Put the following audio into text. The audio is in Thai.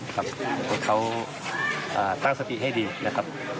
ขอให้เขาตั้งสติให้ดีนะครับ